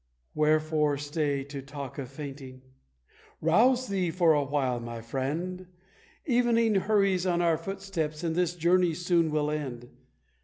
"Wherefore stay to talk of fainting? rouse thee for awhile, my friend; Evening hurries on our footsteps, and this journey soon will end.